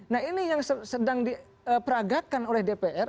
nah ini yang sedang diperagakan oleh dpr